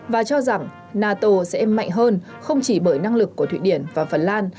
và cho rằng nato sẽ mạnh hơn không chỉ bởi năng lực của thụy điển và phần lan